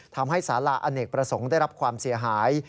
ทำให้สาราอเนกประสงค์ได้รับความเสียหาย